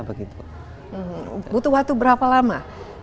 butuh waktu berapa lama